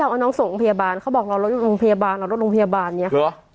เอาน้องส่งโรงพยาบาลเขาบอกรอรถอยู่โรงพยาบาลรอรถโรงพยาบาลเนี่ย